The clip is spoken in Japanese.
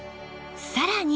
さらに